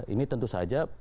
ini tentu saja